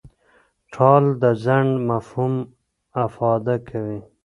ټال د ځنډ مفهوم افاده کوي.